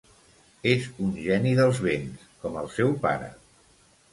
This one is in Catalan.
És un geni dels vents, com el seu pare.